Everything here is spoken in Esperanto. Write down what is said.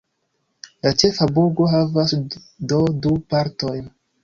La ĉefa burgo havas do du partojn.